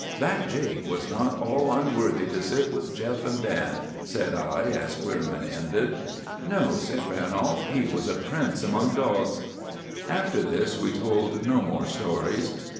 "That Jake was not all unworthy to sit with Jeff and Dan," said I, as Queerman ended. "No," said Ranolf; "he was a prince among dogs." After this we told no more stories.